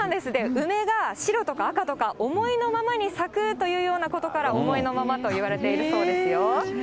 梅が白とか赤とか思いのままに咲くというようなことから、思いのままといわれているそうですよ。